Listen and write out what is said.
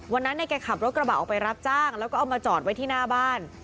วันนั้นเนี่ยแกขับรถกระบะออกไปรับจ้างแล้วก็เอามาจอดไว้ที่หน้าบ้าน